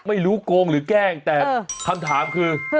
โกงหรือแกล้งแต่คำถามคือ